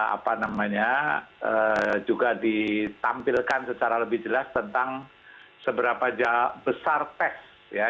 apa namanya juga ditampilkan secara lebih jelas tentang seberapa besar tes